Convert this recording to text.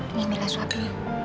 ini mila suapin